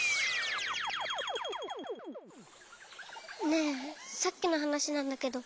ねえさっきのはなしなんだけど。